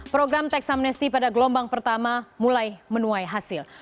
program teks amnesti pada gelombang pertama mulai menuai hasil